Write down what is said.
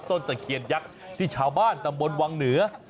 ตะเคียนยักษ์ที่ชาวบ้านตำบลวังเหนือ